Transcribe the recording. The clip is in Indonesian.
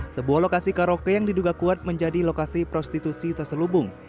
sebuah lokasi karaoke yang diduga kuat menjadi lokasi prostitusi terselubung